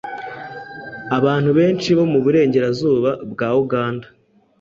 Abantu benshi bo mu Burengerazuba bwa Uganda